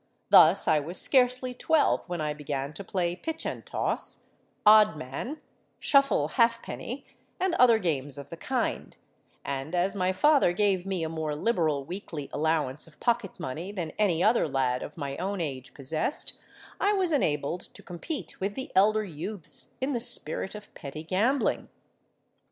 Thus I was scarcely twelve when I began to play pitch and toss, odd man, shuffle halfpenny, and other games of the kind; and as my father gave me a more liberal weekly allowance of pocket money than any other lad of my own age possessed, I was enabled to compete with the elder youths in the spirit of petty gambling.